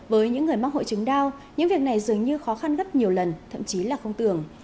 với những người mắc hội chứng đau những việc này dường như khó khăn gấp nhiều lần thậm chí là không tưởng